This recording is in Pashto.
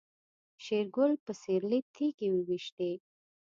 شېرګل په سيرلي تيږې وويشتې.